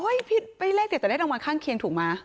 โอ้ยผิดไปได้แต่ได้รางวัลข้างเคียงถูกมา